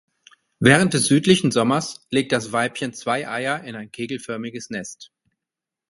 Während des südlichen Sommers legt das Weibchen zwei Eier in ein kegelförmiges Nest.